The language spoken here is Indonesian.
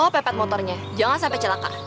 pepet motornya jangan sampai celaka